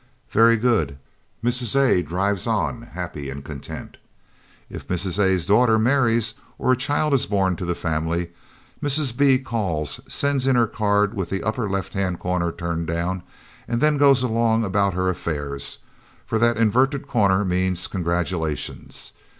Very good; Mrs. A. drives on happy and content. If Mrs. A.'s daughter marries, or a child is born to the family, Mrs. B. calls, sends in her card with the upper left hand corner turned down, and then goes along about her affairs for that inverted corner means "Congratulations."